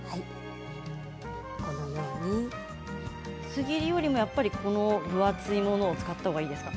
薄切りより分厚いものを使ったほうがいいですか。